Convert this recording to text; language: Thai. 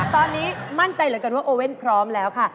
ตอนนี้มั่นใจเหลือเกินว่าโอเว่นพร้อมแล้วค่ะ